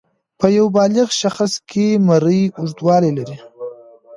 په یو بالغ شخص کې مرۍ اوږدوالی لري.